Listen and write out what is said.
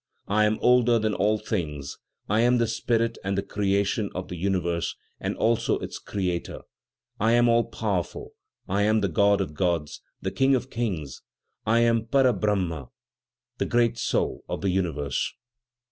I am older than all things. I am the Spirit and the Creation of the universe and also its Creator. I am all powerful; I am the God of the Gods, the King of the Kings; I am Para Brahma, the great soul of the universe."